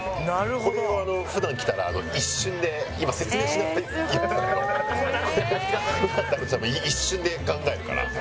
これを普段来たら一瞬で今説明しながら言ってたけど普段だとしたら一瞬で考えるから。